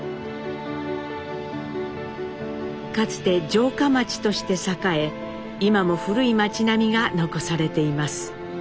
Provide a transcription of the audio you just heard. かつて城下町として栄え今も古い町並みが残されています。